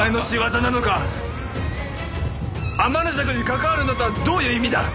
天の邪鬼に関わるなとはどういう意味だ！